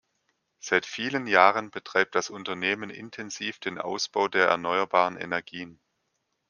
Seit vielen Jahren betreibt das Unternehmen intensiv den Ausbau der Erneuerbaren Energien.